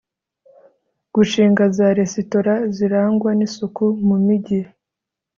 gushinga za resitora zirangwa nisuku mu mijyi